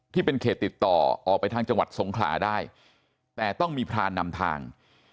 ที่เป็นเขตติดต่อออกไปทางจังหวัดสงขลาได้แต่ต้องมีพรานนำทาง